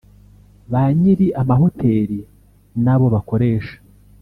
ba nyiri amahoteri n’abo bakoresha